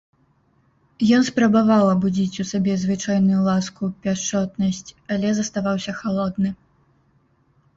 Ён спрабаваў абудзіць у сабе звычайную ласку, пяшчотнасць, але заставаўся халодны.